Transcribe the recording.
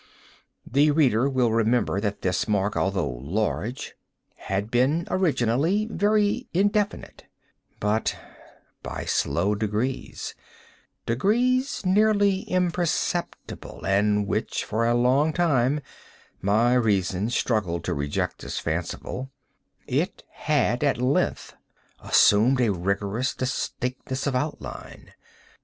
The reader will remember that this mark, although large, had been originally very indefinite; but, by slow degrees—degrees nearly imperceptible, and which for a long time my reason struggled to reject as fanciful—it had, at length, assumed a rigorous distinctness of outline.